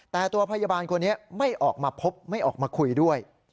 แต่ตัวพยาบาลคนนี้ไม่ออกมาพบไม่ออกมาคุยด้วย